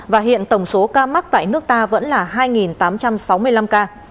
và hiện tổng số ca mắc tại nước ta vẫn là hai tám trăm sáu mươi năm ca